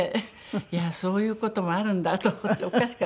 いやあそういう事もあるんだと思っておかしかったですけど。